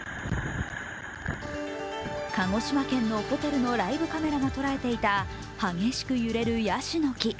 鹿児島県のホテルのライブカメラが捉えていた激しく揺れるヤシの木。